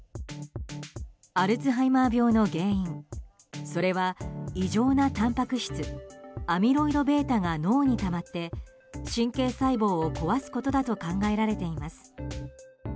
アルツハイマー病の原因それは異常なたんぱく質アミロイドベータが脳にたまって神経細胞を壊すことだと考えられています。